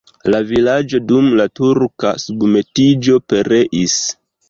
La vilaĝo dum la turka submetiĝo pereis.